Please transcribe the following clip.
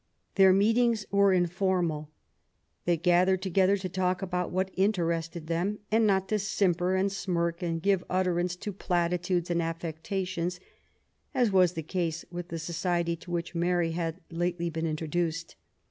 Their meetings were informal. They gathered together to talk about what interested them, and not to simper and smirk, and give utterance to platitudes and i^ectations, as was the case with the society to which Mary had lately been introduced.